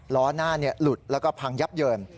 ล้อหน้าหลุดแล้วก็พังยับเยิน